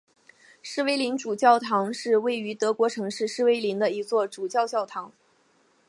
诗威林主教座堂是位于德国城市诗威林的一座主教座堂。